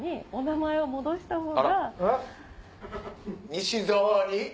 西澤に？